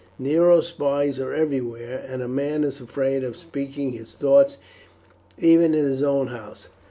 Nero's spies are everywhere, and a man is afraid of speaking his thoughts even in his own house.